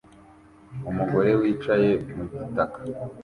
Umugore wicaye mu gitaka